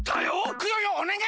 クヨヨおねがい！